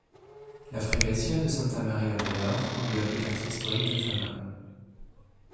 La freguesia de Santa Maria Maior englobe le quartier historique d'Alfama.